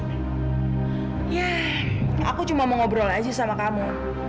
ya aku cuma mau ngobrol aja sama kamu